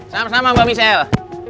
sama sama mbak michelle